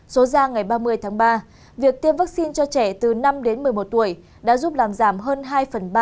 số ra ngày ba mươi tháng ba việc tiêm vaccine cho trẻ từ năm đến một mươi một tuổi đã giúp làm giảm hơn hai phần ba